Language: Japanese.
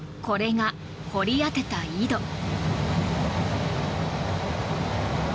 これが掘り当てた井戸。